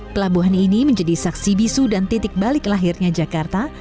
pelabuhan ini menjadi saksi bisu dan titik balik lahirnya jakarta